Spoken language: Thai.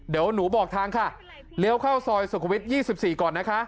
เดี๋ยวหนูบอกทางค่ะเลี้ยวเข้าซอยสุขวิท๒๔ก่อนนะคะ